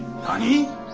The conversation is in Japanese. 何？